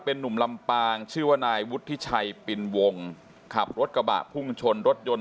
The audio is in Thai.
เป็นนุ่มลำปางชื่อว่านายวุฒิชัยปินวงขับรถกระบะพุ่งชนรถยนต์